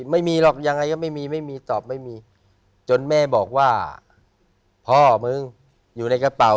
ไม่มีหรอกยังไงก็ไม่มีไม่มีตอบไม่มีจนแม่บอกว่าพ่อมึงอยู่ในกระเป๋า